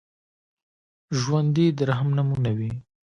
ژوندي د رحم نمونه وي